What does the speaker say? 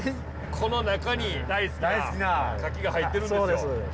この中に大好きなカキが入ってるんですよ。